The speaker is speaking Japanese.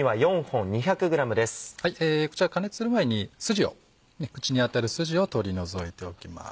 こちら加熱する前に筋を口に当たる筋を取り除いておきます。